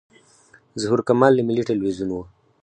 ظهور کمال له ملي تلویزیون و.